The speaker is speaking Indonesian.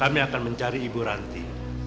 kami akan mencari ibu ranti